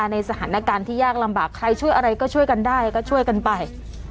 ในสถานการณ์ที่ยากลำบากใครช่วยอะไรก็ช่วยกันได้ก็ช่วยกันไป